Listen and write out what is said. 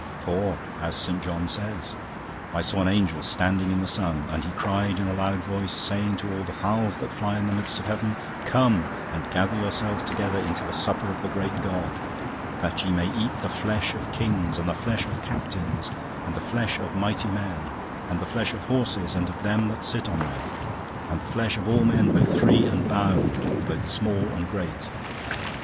'For,' as St. John says, 'I saw an angel standing in the sun; and he cried in a loud voice, saying to all the fowls that fly in the midst of heaven, Come and gather yourselves together unto the supper of the Great God; that ye may eat the flesh of kings, and the flesh of captains, and the flesh of mighty men, and the flesh of horses, and of them that sit on them, and the flesh of all men, both free and bond, both small and great.